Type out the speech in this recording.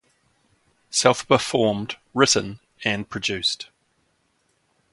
Self performed, written and produced.